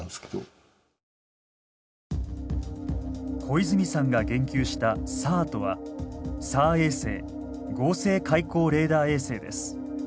小泉さんが言及したＳＡＲとはＳＡＲ衛星合成開口レーダー衛星です。